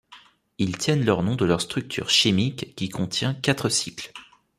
Ils tiennent leur nom de leur structure chimique qui contient quatre cycles.